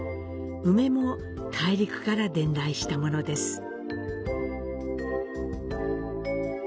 梅も大陸から伝来したものです。